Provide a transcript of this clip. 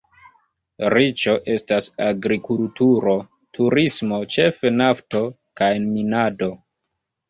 Riĉo estas agrikulturo, turismo, ĉefe nafto kaj minado.